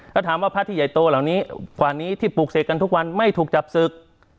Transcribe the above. แล้วถามว่าพระที่ใหญ่โตเหล่านี้ฝ่านี้ที่ปลูกเสกกันทุกวันไม่ถูกจับศึก